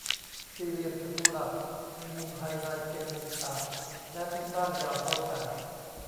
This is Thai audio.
สี่เหลี่ยมจตุรัส มีมุมภายในเป็นมุมฉาก และทุกด้านยาวเท่ากัน